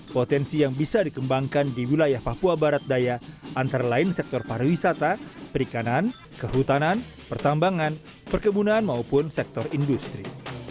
potensi yang bisa dikembangkan di wilayah papua barat daya antara lain sektor pariwisata perikanan kehutanan pertambangan perkebunan maupun sektor industri